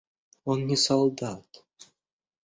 Он не солдат.